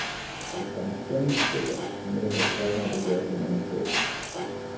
Her transgender status made her vulnerable working in the trade.